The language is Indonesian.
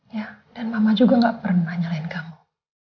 ya dan mama juga gak pernah nanyain kamu